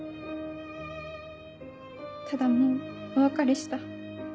ただもうお別れした。